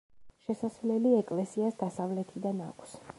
შესასვლელი ეკლესიას დასავლეთიდან აქვს.